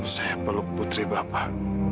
saya peluk putri bapak